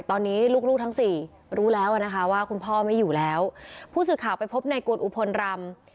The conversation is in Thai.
ทั้งสี่รู้แล้วนะคะว่าคุณพ่อไม่อยู่แล้วผู้สื่อข่าวไปพบในกวนอุพลรำ